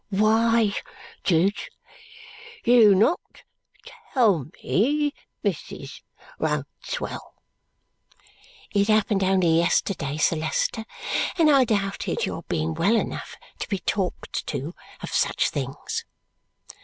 "Why did you not tell me, Mrs. Rouncewell?" "It happened only yesterday, Sir Leicester, and I doubted your being well enough to be talked to of such things."